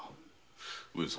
上様。